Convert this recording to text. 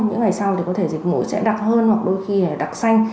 những ngày sau thì có thể dịch mũi sẽ đặc hơn hoặc đôi khi đặc xanh